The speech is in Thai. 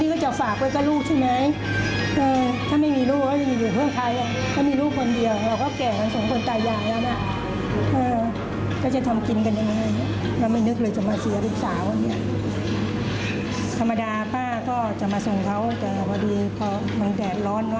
เขาบอกว่ามือเขาบอกว่าหนัวก็ดีแม่